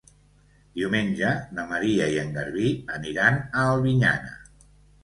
Diumenge na Maria i en Garbí aniran a Albinyana.